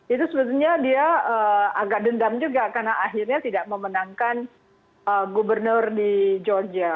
itu sebetulnya dia agak dendam juga karena akhirnya tidak memenangkan gubernur di georgia